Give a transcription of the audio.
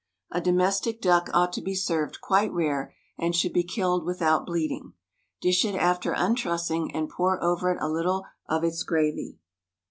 A domestic duck ought to be served quite rare, and should be killed without bleeding. Dish it after untruss ing and pour over it a little of its gravy.